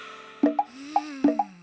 うん。